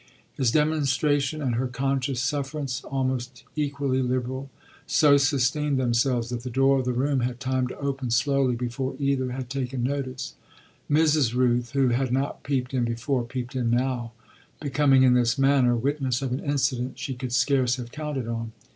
His demonstration and her conscious sufferance, almost equally liberal, so sustained themselves that the door of the room had time to open slowly before either had taken notice. Mrs. Rooth, who had not peeped in before, peeped in now, becoming in this manner witness of an incident she could scarce have counted on.